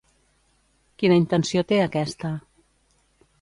Quina intenció té aquesta?